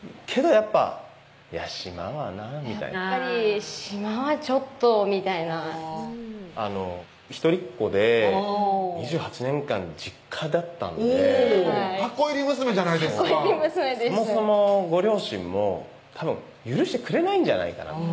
やっぱ「島はなぁ」みたいなやっぱり島はちょっとみたいな一人っ子で２８年間実家だったんで箱入り娘じゃないですかそもそもご両親もたぶん許してくれないんじゃないかな